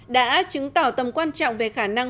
đã chứng tỏ tầm quan trọng về khả năng